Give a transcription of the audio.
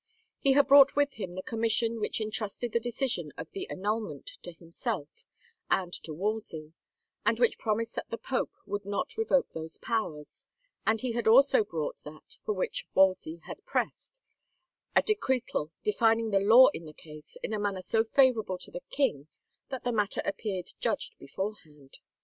He had brought with him the commission which en trusted the decision of the annulment to himself and to Wolsey, and which promised that the pope would not revoke those powers, and he had also brought that for which Wolsey had pressed, a decretal defining the law in the case in a manner so favorable to the king that the matter appeared judged beforehand.